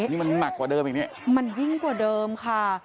นี่มันหนักกว่าเดิมอีกเนี่ยมันยิ่งกว่าเดิมค่ะ